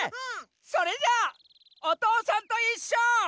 それじゃ「おとうさんといっしょ」。